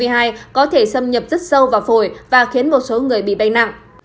sars cov hai có thể xâm nhập rất sâu vào phổi và khiến một số người bị đánh nặng